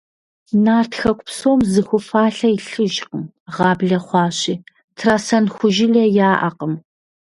Нарт хэку псом зы ху фалъэ илъыжкъым, гъаблэ хъуащи, трасэн ху жылэ яӀэкъым.